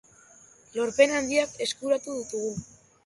Lorpen handiak eskuratu dutugu.